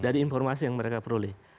dari informasi yang mereka peroleh